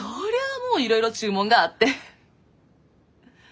もういろいろ注文があって。